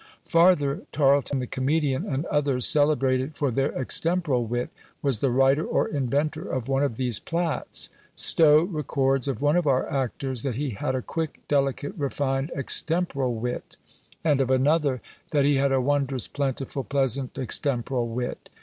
Farther, Tarleton the comedian, and others, celebrated for their "extemporal wit," was the writer or inventor of one of these "Platts." Stowe records of one of our actors that "he had a quick, delicate, refined, extemporal wit." And of another, that "he had a wondrous, plentiful, pleasant, extemporal wit."